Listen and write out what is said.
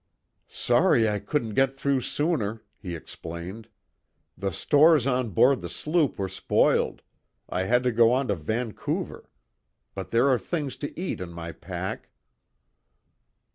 "Sorry I couldn't get through sooner," he explained. "The stores on board the sloop were spoiled; I had to go on to Vancouver. But there are things to eat in my pack."